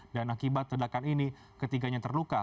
dan akibat tedakan ini ketiganya terluka